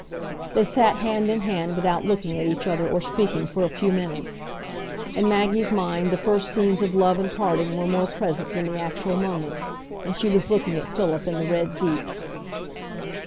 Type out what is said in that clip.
They sat hand in hand without looking at each other or speaking for a few minutes; in Maggie's mind the first scenes of love and parting were more present than the actual moment, and she was looking at Philip in the Red Deeps.